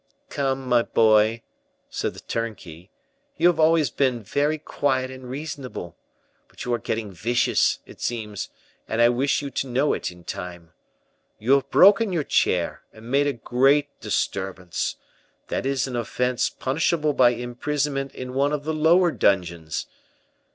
"Come, my boy," said the turnkey, "you have always been very quiet and reasonable, but you are getting vicious, it seems, and I wish you to know it in time. You have broken your chair, and made a great disturbance; that is an offense punishable by imprisonment in one of the lower dungeons.